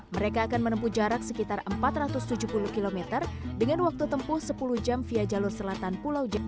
mereka akan menempuh jarak sekitar empat ratus tujuh puluh km dengan waktu tempuh sepuluh jam via jalur selatan pulau jawa